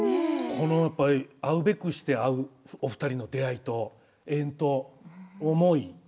このやっぱり会うべくして会うお二人の出会いと縁と思い。